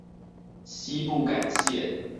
西部幹線